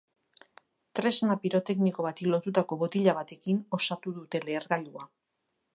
Tresna pirotekniko bati lotutako botila batekin osatu dute lehergailua.